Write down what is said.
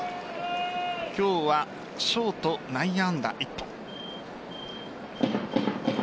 今日はショート内野安打１本。